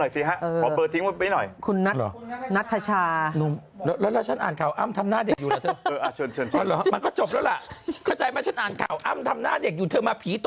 ที่ไหนบอกมาหน่อยสิฮะขอเปลือทิ้งมาไปหน่อย